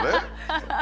ハハハ！